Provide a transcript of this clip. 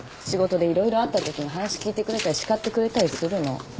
仕事で色々あったときに話聞いてくれたりしかってくれたりするの。